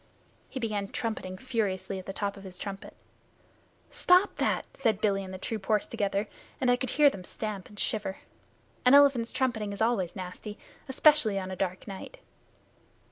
He began trumpeting furiously at the top of his trumpet. "Stop that!" said Billy and the troop horse together, and I could hear them stamp and shiver. An elephant's trumpeting is always nasty, especially on a dark night.